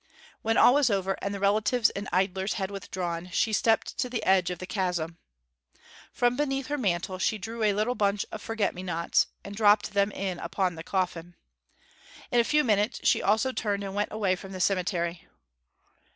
When all was over, and the relatives and idlers had withdrawn, she stepped to the edge of the chasm. From beneath her mantle she drew a little bunch of forget me nots, and dropped them in upon the coffin. In a few minutes she also turned and went away from the cemetery.